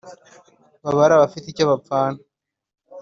baba ari abafite icyo bapfana